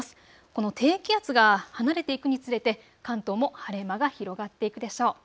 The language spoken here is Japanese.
この低気圧が離れていくにつれて関東も晴れ間が広がっていくでしょう。